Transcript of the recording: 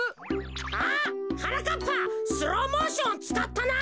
あっはなかっぱスローモーションつかったな！